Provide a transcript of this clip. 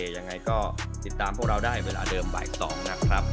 ยังไงก็ติดตามพวกเราได้เวลาเดิมบ่าย๒นะครับ